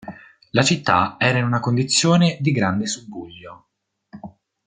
La città era in una condizione di grande subbuglio.